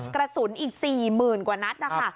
กระสุนอีก๔๐๐๐กว่านัดนะคะ